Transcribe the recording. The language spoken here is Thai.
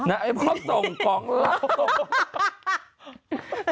ไอ้พ่อส่งของเรา